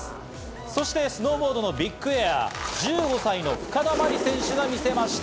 そしてスノーボードのビッグエア、１５歳の深田茉莉選手が見せました。